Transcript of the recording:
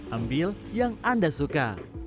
ambil yang anda suka